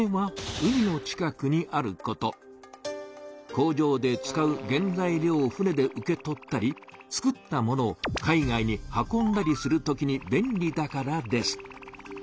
工場で使う原材料を船で受け取ったりつくったものを海外に運んだりするときに便利だからです。